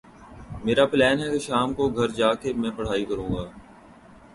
میرا پلین ہے کہ شام کو گھر جا کے میں پڑھائی کرو گا۔